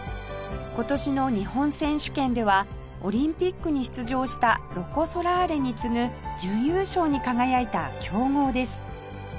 今年の日本選手権ではオリンピックに出場したロコ・ソラーレに次ぐ準優勝に輝いた強豪です